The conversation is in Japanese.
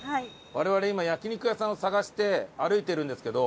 我々今焼肉屋さんを探して歩いてるんですけど。